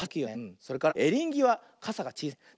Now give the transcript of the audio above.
それからエリンギはカサがちいさいね。